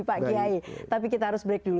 pak kiai tapi kita harus break dulu